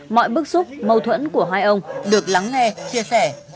mọi bức xúc mâu thuẫn của hai ông được lắng nghe chia sẻ